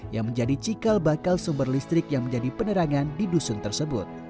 yang menjadi cikal bakal sumber listrik yang menjadi penerangan di dusun tersebut